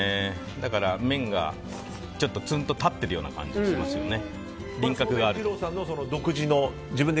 だから、麺がちょっとつんと立ってる感じがしますよね。